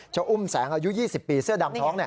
อุ้มแสงอายุ๒๐ปีเสื้อดำท้อง